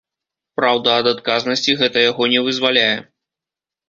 Праўда, ад адказнасці гэта яго не вызваляе.